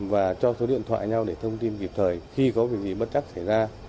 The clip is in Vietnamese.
và cho số điện thoại nhau để thông tin kịp thời khi có việc gì bất chắc xảy ra